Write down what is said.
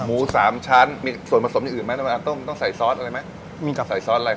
หมูสามชั้นมีส่วนผสมอย่างอื่นไหมต้องใส่ซอสอะไรไหม